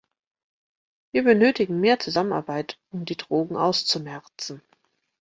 Wir benötigen mehr Zusammenarbeit, um die Drogen auszumerzen.